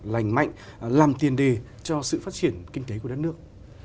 lành mạnh làm tiền đề cho sự phát triển kinh tế của đất nước